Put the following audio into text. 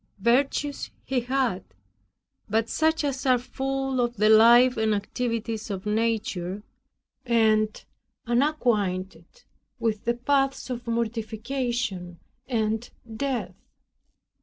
Virtues he had, but such as are full of the life and activities of nature, and unacquainted with the paths of mortification and death.